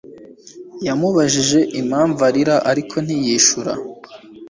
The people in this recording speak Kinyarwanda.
Yamubajije impamvu arira ariko ntiyishura